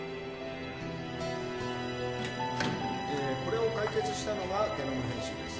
えこれを解決したのがゲノム編集です。